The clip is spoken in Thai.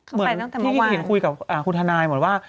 เหมือนที่ที่เห็นคุยกับคุณทันายเหมือนว่า